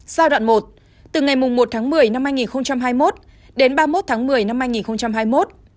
giai đoạn một từ ngày một tháng một mươi năm hai nghìn hai mươi một đến ba mươi một tháng một mươi năm hai nghìn hai mươi một